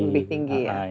lebih tinggi ya